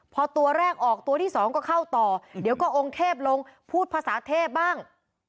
พอตัวแรกออกตัวที่สองก็เข้าต่อเดี๋ยวก็องค์เทพลงพูดภาษาเทพบ้าง